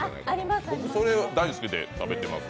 それ大好きで食べてます。